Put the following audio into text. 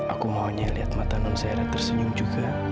aku maunya liat mata non zero tersenyum juga